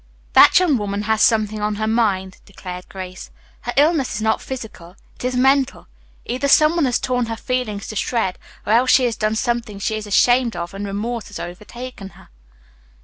"That young woman has something on her mind," declared Grace. "Her illness is not physical. It is mental. Either some one has torn her feelings to shreds or else she has done something she is ashamed of and remorse has overtaken her."